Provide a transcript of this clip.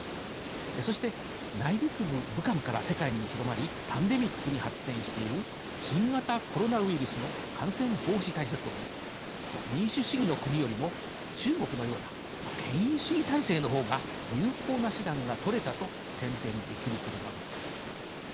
そして内陸部、武漢から世界に広まりパンデミックに発展している新型コロナウイルスの感染防止対策をめぐり民主主義の国よりも中国のような権威主義体制の方が有効な手段が取れたと宣伝できることなどです。